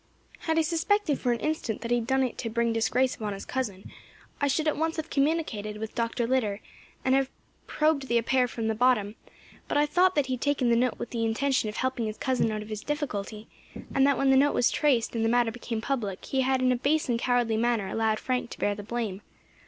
"Had I suspected for an instant that he had done it to bring disgrace upon his cousin, I should at once have communicated with Dr. Litter, and have probed the affair from the bottom; but I thought that he had taken the note with the intention of helping his cousin out of his difficulty, and that when the note was traced, and the matter became public, he had in a base and cowardly manner allowed Frank to bear the blame.